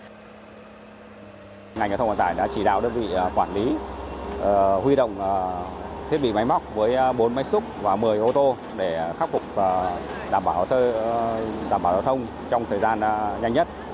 ngành giao thông vận tải đã chỉ đạo đơn vị quản lý huy động thiết bị máy móc với bốn máy xúc và một mươi ô tô để khắc phục đảm bảo giao thông trong thời gian nhanh nhất